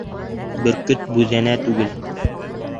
Бөркөт бүҙәнә түгел.